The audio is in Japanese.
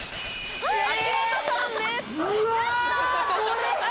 秋元さんです！